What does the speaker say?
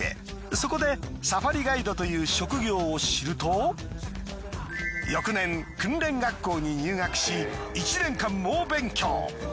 そこでサファリガイドという職業を知ると翌年訓練学校に入学し１年間猛勉強。